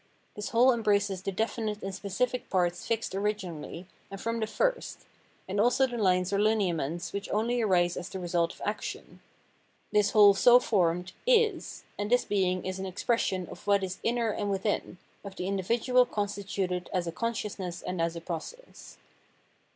This whole embraces the definite and specific parts fixed originally and from the first, and also the lines or lineaments which only arise as the result of action ; this whole so formed is, and this being is an expression of what is inner and within, of the individual constituted as a consciousness and as a process.